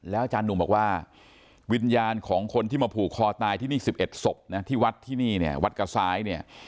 แล้วอาจารย์หนุ่มบอกว่าวิญญาณของคนที่มาผูกคอตายที่นี่๑๑ศพที่วัดกระซ้าย